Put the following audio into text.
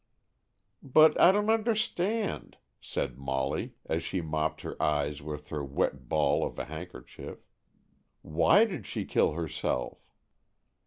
"But I don't understand," said Molly, as she mopped her eyes with her wet ball of a handkerchief; "why did she kill herself?"